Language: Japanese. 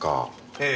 ええ。